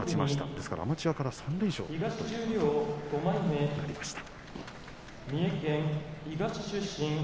ですからアマチュアから３連勝ということになりました。